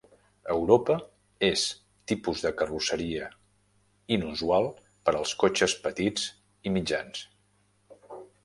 A Europa és tipus de carrosseria inusual per als cotxes petits i mitjans.